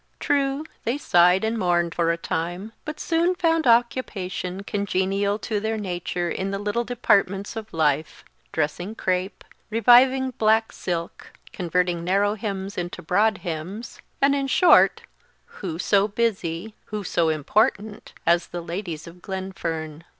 True, they sighed and mourned for a time, but soon found occupation congenial to their nature in the little departments of life dressing crape; reviving black silk; converting narrow hems into broad hems; and in short, who so busy, who so important, as the ladies of Glenfern?